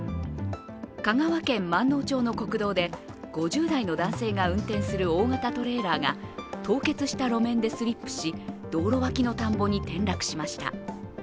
香川県まんのう町の国道で５０代の男性が運転する大型トレーラーが凍結した路面でスリップし、道路脇の田んぼに転落しました。